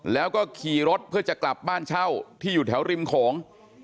แล้วก็ขี่รถเพื่อจะกลับบ้านเช่าที่อยู่แถวริมโขง